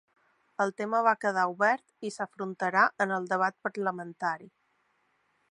El tema va quedar obert i s’afrontarà en el debat parlamentari.